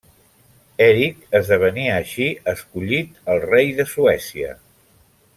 Eric esdevenia així escollit el rei de Suècia.